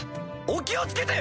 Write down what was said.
お気を付けて！